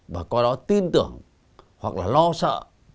và coi đó tin tưởng hoặc là lo sợ